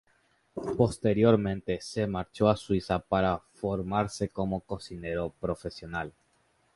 Posteriormente se marchó a Suiza para formarse como cocinero profesional.